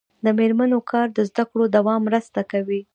د میرمنو کار د زدکړو دوام مرسته کوي.